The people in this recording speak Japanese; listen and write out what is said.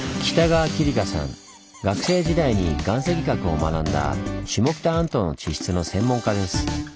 学生時代に岩石学を学んだ下北半島の地質の専門家です。